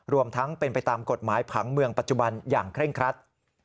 รวมทั้งเป็นไปตามกฎหมายผังเมืองปัจจุบันอย่างเคร่งครัด